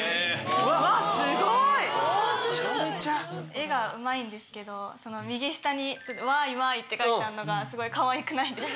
絵がうまいんですけど右下に「わいわい」って書いてあんのがすごいかわいくないですか？